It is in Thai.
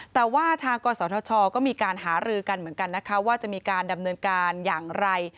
แต่ว่าทางกศธชก็มีการหารือกันเหมือนกันนะคะว่าจะมีการดำเนินการอย่างไร